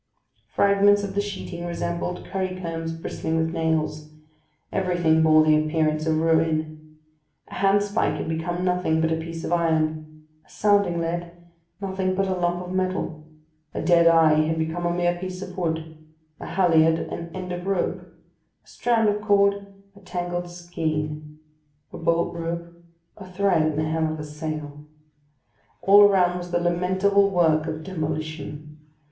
Fragments of the sheeting resembled currycombs bristling with nails; everything bore the appearance of ruin; a handspike had become nothing but a piece of iron; a sounding lead, nothing but a lump of metal; a dead eye had become a mere piece of wood; a halliard, an end of rope; a strand of cord, a tangled skein; a bolt rope, a thread in the hem of a sail. All around was the lamentable work of demolition.